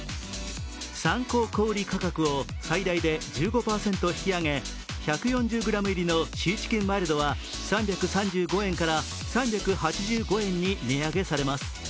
参考小売価格を最大で１５％引き上げ１４０ｇ入りのシーチキンマイルドは３３５円から３８５円に値上げされます。